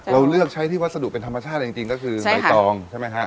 เราเลือกใช้ที่วัสดุเป็นธรรมชาติจริงก็คือใบตองใช่ไหมฮะ